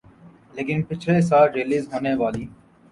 لیکن پچھلے سال ریلیز ہونے والی